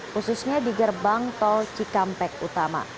khususnya di gerbang tol cikampek utama